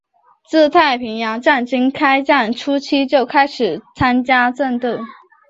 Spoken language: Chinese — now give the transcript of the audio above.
自太平洋战争开战初期就开始参加战斗。